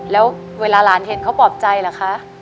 แล้วเวลาหลานเห็นเขาปลอบใจเหรอคะ